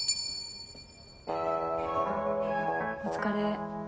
お疲れ。